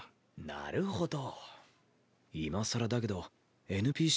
なるほど。